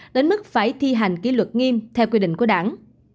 đến mức phải thi hành kỷ luật nghiêm theo quy định của đảng